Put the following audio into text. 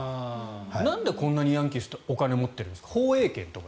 なんでこんなにヤンキースってお金を持ってるんですか？